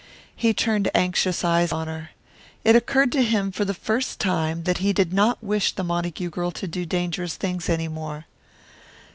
He turned anxious eyes on her. It occurred to him for the first time that he did not wish the Montague girl to do dangerous things any more.